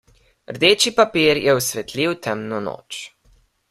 Rdeči papir je osvetlil temno noč.